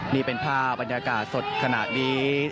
นี่เป็นภาพบรรยากาศสดขณะนี้